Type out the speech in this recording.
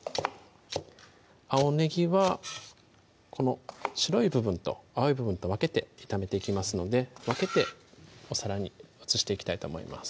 青ねぎはこの白い部分と青い部分と分けて炒めていきますので分けてお皿に移していきたいと思います